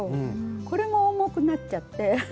これも重くなっちゃって。